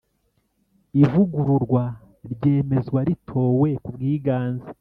Ivugururwa ryemezwa ritowe ku bwiganze